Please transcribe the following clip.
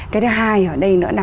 cái thứ hai ở đây nữa là